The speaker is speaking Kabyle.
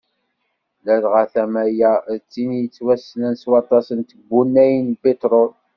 Ladɣa tama-a d tin i yettwassnen s waṭas n tkebbunay n lpitrul.